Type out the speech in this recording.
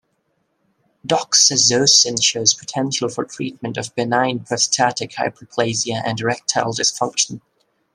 Doxazosin shows potential for treatment of benign prostatic hyperplasia and erectile dysfunction.